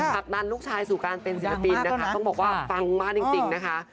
ผลักดันลูกชายสู่การเป็นศิลปินนะคะต้องบอกว่าปังมากจริงนะคะ